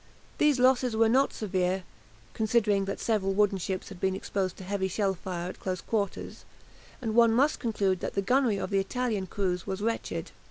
These losses were not severe, considering that several wooden ships had been exposed to heavy shell fire at close quarters, and one must conclude that the gunnery of the Italian crews was wretched.